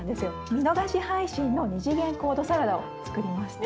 見逃し配信の２次元コードサラダを作りました。